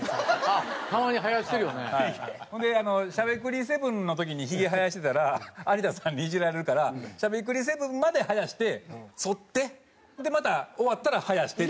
ほんで『しゃべくり００７』の時にヒゲ生やしてたら有田さんにイジられるから『しゃべくり００７』まで生やして剃ってでまた終わったら生やして。